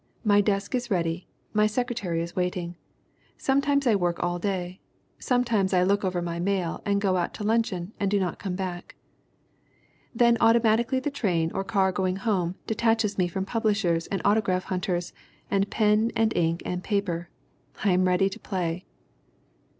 My desk is ready; my secretary is waiting. Some times I work all day; sometimes I look over my mail and go out to luncheon and do not come back. "Then automatically the train or car going home detaches me from publishers and autograph hunters and pen and ink and paper. I am ready to play."